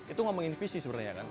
itu ngomongin visi sebenarnya